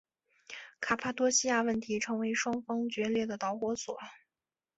卡帕多细亚问题成为双方决裂的导火索。